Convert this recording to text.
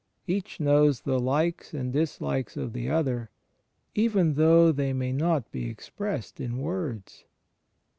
Each knows the likes and dislikes of the other, even though they may not be expressed in words.